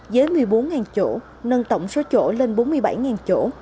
dưới một mươi bốn chỗ nâng tổng số chỗ lên bốn mươi bảy chỗ